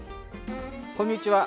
こんにちは。